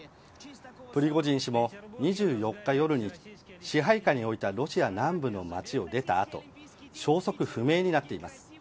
プリゴジン氏も、２４日夜に支配下に置いたロシア南部の街を出た後消息不明になっています。